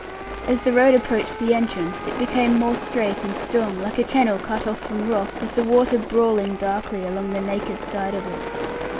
As the road approached the entrance, it became more straight and strong, like a channel cut from rock, with the water brawling darkly along the naked side of it.